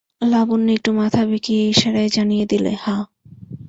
লাবণ্য একটু মাথা বেঁকিয়ে ইশারায় জানিয়ে দিলে, হাঁ।